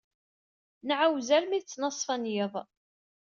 Nɛawez armi d ttnaṣfa n yiḍ.